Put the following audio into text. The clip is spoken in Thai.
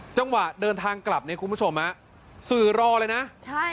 จังหวะเดินทางกลับเนี่ยคุณผู้ชมฮะสื่อรอเลยนะใช่